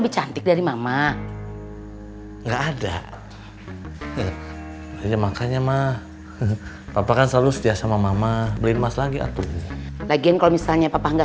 sampai jumpa di video selanjutnya